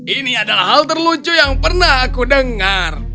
ini adalah hal terlucu yang pernah aku dengar